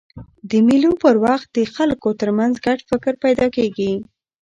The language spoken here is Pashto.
د مېلو پر وخت د خلکو ترمنځ ګډ فکر پیدا کېږي.